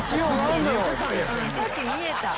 「さっき見えた」